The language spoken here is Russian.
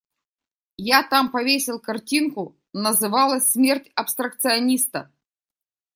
Я там повесил картинку, называлась «Смерть абстракциониста».